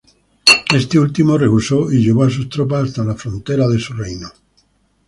Este último rehusó y llevó a sus tropas hasta la frontera de su reino.